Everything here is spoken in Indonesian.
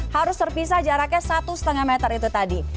harus terpisah jaraknya satu lima meter itu tadi